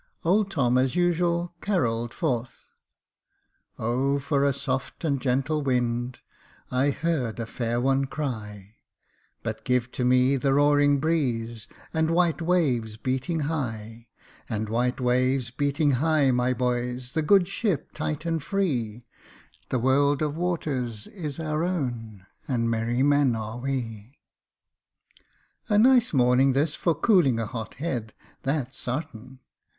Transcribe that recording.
Old Tom as usual carolled forth —" Oh ! for a soft and gentle wind, I heard a fair one cry, But give to me the roaring breeze, And white waves beating high, And white waves beating high, my boys, The good ship tight and free, The world of waters is our own, And merry men are we." A nice morning this for cooling a hot head, that's sartain.